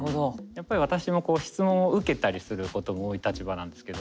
やっぱり私も質問を受けたりすることも多い立場なんですけど